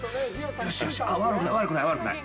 よし、よし、あっ、悪くない、悪くない。